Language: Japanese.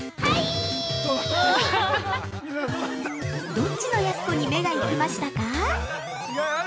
どっちのやす子に目が行きましたか。